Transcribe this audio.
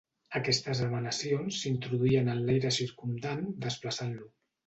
Aquestes emanacions s'introduïen en l'aire circumdant desplaçant-lo.